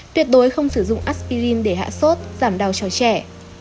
tuyệt đối không sử dụng aspirime để hạ sốt giảm đau cho trẻ